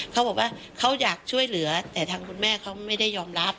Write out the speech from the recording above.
เขาบอกว่าเขาอยากช่วยเหลือแต่ทางคุณแม่เขาไม่ได้ยอมรับ